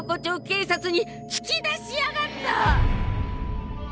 警察につき出しやがった！